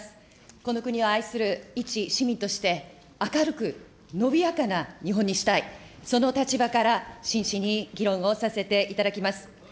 この国を愛する一市民として、明るく伸びやかな日本にしたい、その立場から真摯に議論をさせていただきます。